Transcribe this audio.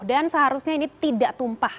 dan seharusnya ini tidak tumpah